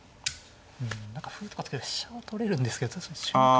うん何か歩とか突けると飛車は取れるんですけど瞬間